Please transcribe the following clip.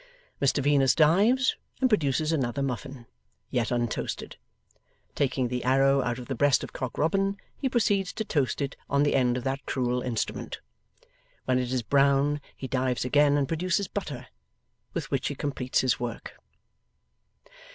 Mr Venus dives, and produces another muffin, yet untoasted; taking the arrow out of the breast of Cock Robin, he proceeds to toast it on the end of that cruel instrument. When it is brown, he dives again and produces butter, with which he completes his work.